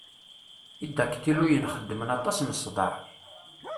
Idaktiluyen xeddmen aṭas n ssḍeε.